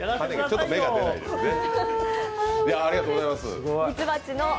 ちょっと芽が出ないですね。